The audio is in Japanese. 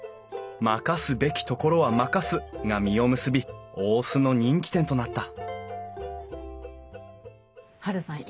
「任すべきところは任す」が実を結び大須の人気店となったハルさん